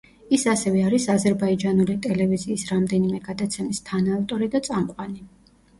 ის ასევე არის აზერბაიჯანული ტელევიზიის რამდენიმე გადაცემის თანაავტორი და წამყვანი.